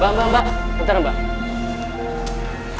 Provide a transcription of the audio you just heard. mbak mbak mbak